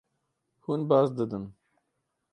Hûn baz didin.